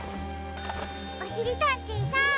おしりたんていさん。